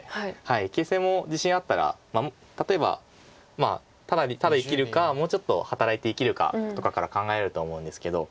形勢も自信あったら例えばただ生きるかもうちょっと働いて生きるかとかから考えると思うんですけど。